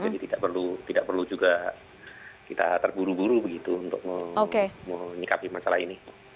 jadi tidak perlu juga kita terburu buru begitu untuk menyikapi masalah ini